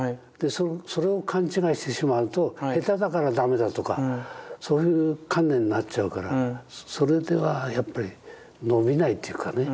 それを勘違いしてしまうと下手だから駄目だとかそういう観念になっちゃうからそれではやっぱり伸びないっていうかね。